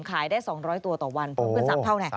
ขายได้๒๐๐ตัวต่อวันเป็น๓เท่า